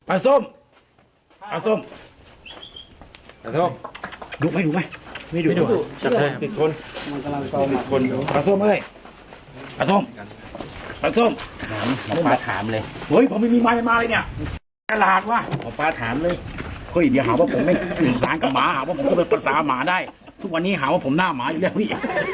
อาจจะหาว่าผมเป็นประสาหรรณหมาได้ทุกวันนี้หาว่าผมหน้าหมาอยู่แล้วนี่